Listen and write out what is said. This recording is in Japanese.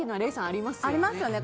ありますね。